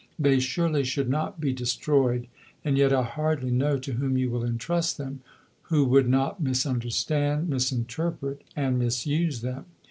They surely should not be destroyed; and yet I hardly know to whom you will entrust them, who would not misunderstand, misinterpret, and misuse them.